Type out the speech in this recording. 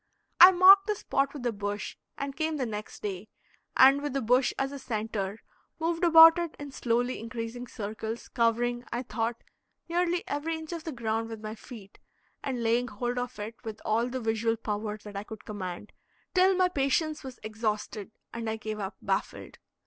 I marked the spot with a bush, and came the next day, and with the bush as a centre, moved about it in slowly increasing circles, covering, I thought, nearly every inch of ground with my feet, and laying hold of it with all the visual power that I could command, till my patience was exhausted, and I gave up, baffled.